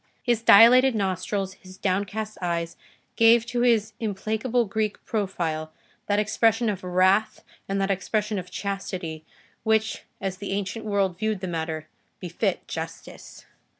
His dilated nostrils, his downcast eyes, gave to his implacable Greek profile that expression of wrath and that expression of Chastity which, as the ancient world viewed the matter, befit Justice.